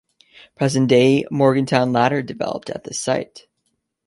Present-day Morganton later developed at this site.